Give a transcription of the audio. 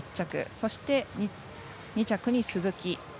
そして２着に鈴木。